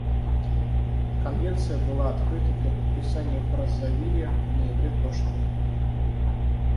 Конвенция была открыта для подписания в Браззавиле в ноябре прошлого года.